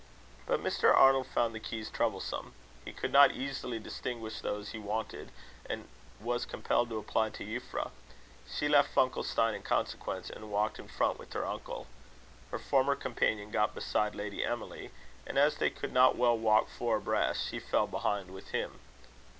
But Mr. Arnold found the keys troublesome. He could not easily distinguish those he wanted, and was compelled to apply to Euphra. She left Funkelstein in consequence, and walked in front with her uncle. Her former companion got beside Lady Emily, and as they could not well walk four abreast, she fell behind with him.